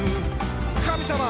「神様！」